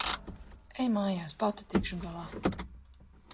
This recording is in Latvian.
Ej mājās. Pati tikšu galā.